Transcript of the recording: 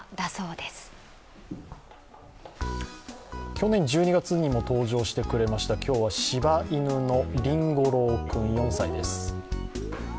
去年１２月にも登場してくれました、今日はしば犬のりんご朗君４歳です。